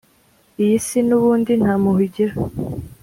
Iyi si nubundi ntampuhwe igira